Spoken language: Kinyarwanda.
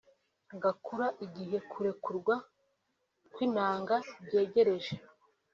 gakura igihe kurekurwa kw’intanga byegereje